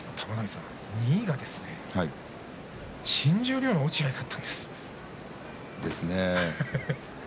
第２位が新十両の落合だったんです。